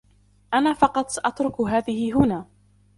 أنا فقط سأترك هذه هنا.